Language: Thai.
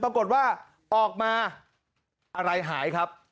ปรากฏว่าออกมาอะไรหายครับ